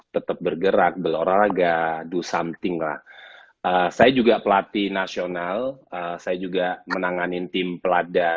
tetap bergerak berolahraga do something lah saya juga pelatih nasional saya juga menanganin tim pelada